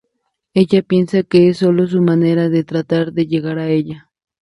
Ella piensa que es sólo su manera de tratar de llegar a ella.